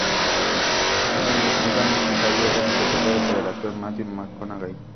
El protagonista, "Mickey" Haller, es interpretado por el actor Matthew McConaughey.